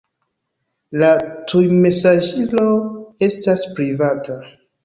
La tujmesaĝilo estas privata.